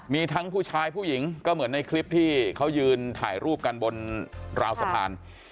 มีทั้งผู้ชายผู้หญิงก็เหมือนในคลิปที่เขายืนถ่ายรูปกันบนราวสะพาน